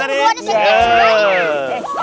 ya semua disini keseluruhannya